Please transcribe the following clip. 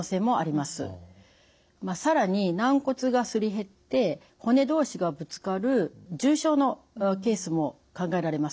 更に軟骨がすり減って骨同士がぶつかる重症のケースも考えられます。